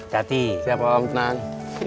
siap om tenang